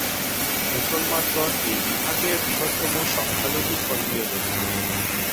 মুসলমানগণ এই বিভাগের বৃহত্তম সংখ্যালঘু ধর্মীয় গোষ্ঠী।